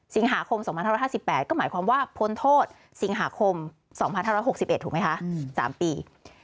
สิงหาคม๒๕๕๘ก็หมายความว่าพ้นโทษสิงหาคม๒๕๖๑ถูกไหมคะ๓ปี